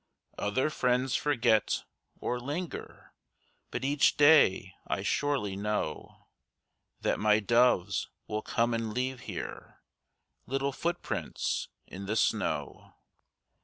Other friends forget, or linger, But each day I surely know That my doves will come and leave here Little footprints in the snow.